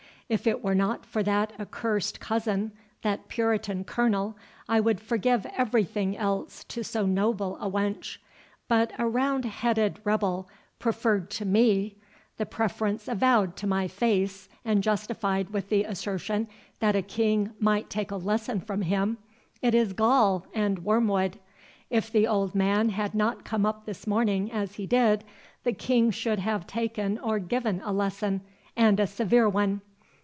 If it were not for that accursed cousin—that puritan Colonel—I could forgive every thing else to so noble a wench. But a roundheaded rebel preferred to me—the preference avowed to my face, and justified with the assertion, that a king might take a lesson from him—it is gall and wormwood. If the old man had not come up this morning as he did, the King should have taken or given a lesson, and a severe one.